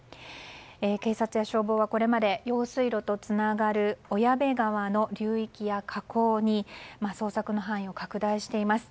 警察や消防はこれまで用水路とつながる小矢部川の流域や河口に捜索の範囲を拡大しています。